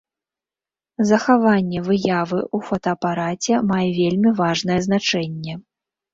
Захаванне выявы ў фотаапараце мае вельмі важнае значэнне.